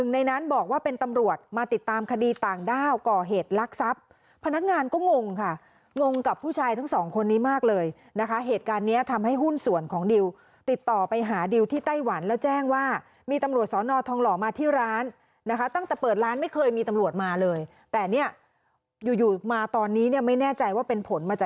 ในนั้นบอกว่าเป็นตำรวจมาติดตามคดีต่างด้าวก่อเหตุลักษัพพนักงานก็งงค่ะงงกับผู้ชายทั้งสองคนนี้มากเลยนะคะเหตุการณ์เนี้ยทำให้หุ้นส่วนของดิวติดต่อไปหาดิวที่ไต้หวันแล้วแจ้งว่ามีตำรวจสอนอทองหล่อมาที่ร้านนะคะตั้งแต่เปิดร้านไม่เคยมีตำรวจมาเลยแต่เนี่ยอยู่อยู่มาตอนนี้เนี่ยไม่แน่ใจว่าเป็นผลมาจาก